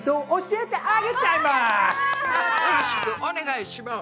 よろしくお願いします！